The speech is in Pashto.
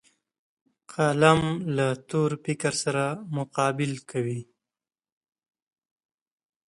قلم له تور فکر سره مقابل کوي